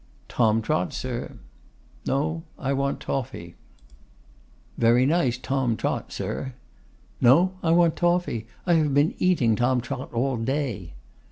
'Tom Trot, sir.' 'No; I want toffy.' 'Very nice Tom Trot, sir.' 'No, I want toffy; I have been eating Tom Trot all day.